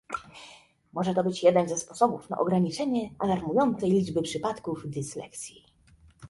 Może to być jeden ze sposobów na ograniczenie alarmującej ilości przypadków dysleksji